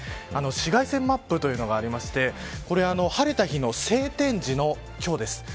紫外線マップというのがありまして晴れた日の晴天時の日です。